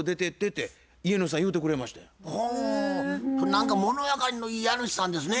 何かもの分かりいい家主さんですね。